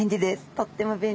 とっても便利です。